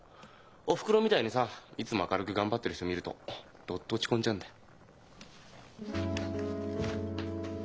おふくろみたいにさいつも明るく頑張ってる人見るとどっと落ち込んじゃうんだよ。